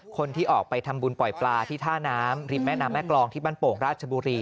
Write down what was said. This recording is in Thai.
คนที่ออกไปทำบุญปล่อยปลาที่ท่าน้ำริมแม่น้ำแม่กรองที่บ้านโป่งราชบุรี